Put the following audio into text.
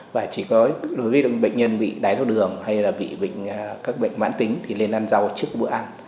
và chỉ có đối với bệnh nhân bị đáy thuốc đường hay là bị các bệnh mãn tính thì nên ăn rau trước bữa ăn